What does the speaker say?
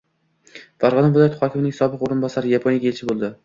Farg‘ona viloyati hokimining sobiq o‘rinbosari Yaponiyaga elchi bo‘ldi